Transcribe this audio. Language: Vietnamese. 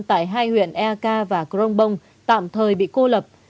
tại hai huyện ea ca và crong bong tạm thời bị cô lập